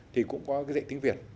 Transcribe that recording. thì cũng có cái dạy tiếng việt